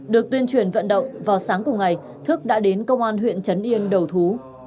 được tuyên truyền vận động vào sáng cùng ngày thức đã đến công an huyện trấn yên đầu thú